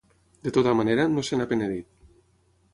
De tota manera, no se n'ha penedit.